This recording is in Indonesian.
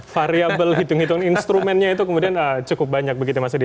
variable hitung hitung instrumennya itu kemudian cukup banyak begitu mas edi